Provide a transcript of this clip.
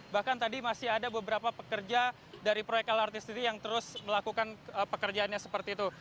bahkan tadi masih ada beberapa pekerja dari proyek lrt sendiri yang terus melakukan pekerjaannya seperti itu